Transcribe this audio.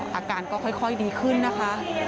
อาการก็ค่อยดีขึ้นนะคะ